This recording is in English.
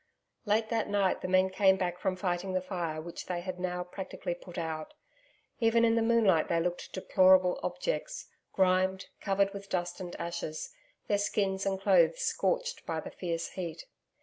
Late that night the men came back from fighting the fire which they had now practically put out. Even in the moonlight they looked deplorable objects, grimed, covered with dust and ashes, their skins and clothes scorched by the fierce heat.